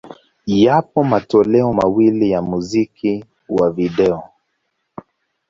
Yapo matoleo mawili ya muziki wa video.